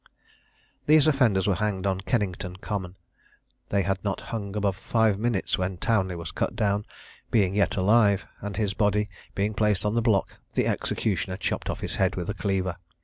These offenders were hanged on Kennington Common. They had not hung above five minutes when Townley was cut down, being yet alive: and his body being placed on the block, the executioner chopped off his head with a cleaver.